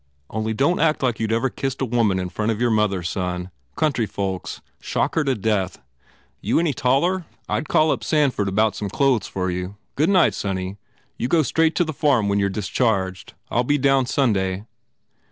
u Only don t act like you d ever kissed a woman in front of your mother, son. Country folks. Shock her to death. You any taller? I ll call up Sanford about some clothes for you. Good 140 GURDY night, sonny. You go straight to the farm when you re discharged. I ll be down Sunday."